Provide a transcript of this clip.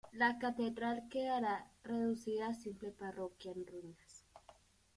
La catedral quedará reducida a simple parroquia en ruinas.